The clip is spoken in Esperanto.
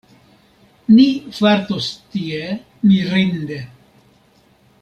Ni fartos tie mirinde.